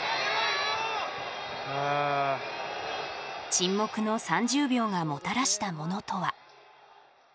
沈黙の３０秒がもたらしたものとは。